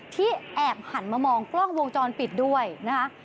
ที่แอบหันมามองกล้องวงจรปิดด้วยนะคะ